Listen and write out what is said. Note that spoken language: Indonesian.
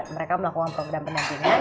mereka melakukan program pendampingan